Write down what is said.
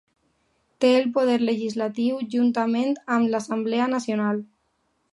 Té el poder legislatiu juntament amb l'Assemblea Nacional.